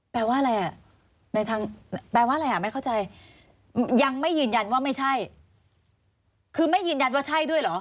แปลว่าอะไรอ่ะในทางแปลว่าอะไรอ่ะไม่เข้าใจยังไม่ยืนยันว่าไม่ใช่คือไม่ยืนยันว่าใช่ด้วยเหรอ